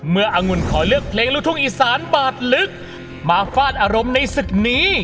เมื่ออังุณขอเลือกเพลงรุทุงอิสานบาดลึกมาฟาดอารมณ์ในศึกนี้